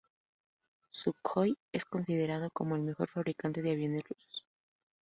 Sukhoi es considerado como el mejor fabricante de aviones Rusos.